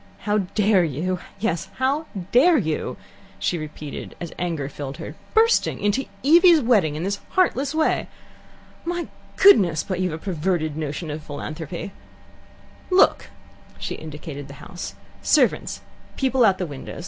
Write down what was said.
How dare you! Yes, how dare you!" she repeated, as anger filled her, "bursting in to Evie's wedding in this heartless way. My goodness! but you've a perverted notion of philanthropy. Look" she indicated the house "servants, people out of the windows.